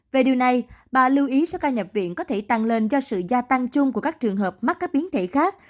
về điều này bà lưu ý số ca nhập viện có thể tăng lên do sự gia tăng chung của các trường hợp mắc các biến thể khác